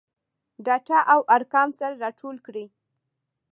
ډاټا او ارقام سره راټول کړي.